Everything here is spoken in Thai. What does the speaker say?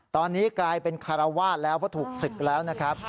ตอนนี้กลายเป็นคารวาสแล้วเพราะถูกศึกแล้วนะครับ